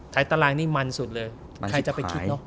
ไทรตารางนี่มันสุดเลย